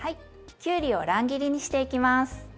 きゅうりを乱切りにしていきます。